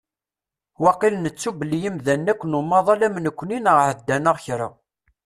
Wakil nettu belli imdanen akk n umaḍal am nekkni neɣ ɛeddan-aɣ kra.